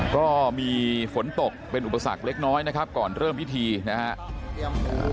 ก็มีฝนตกเป็นอุปสรรคเล็กน้อยนะครับก่อนเริ่มพิธีนะครับ